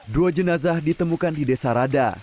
dua jenazah ditemukan di desa rada